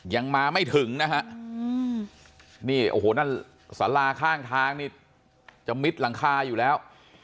ยังมาไม่ถึงนะฮะนี่โอ้โหนั่นสาราข้างทางนี่จะมิดหลังคาอยู่แล้ว